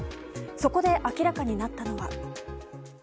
そこで明らかになったのは。